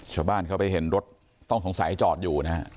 ชาวบ้านเข้าไปเห็นรถต้องสงสัยจอดอยู่นะฮะ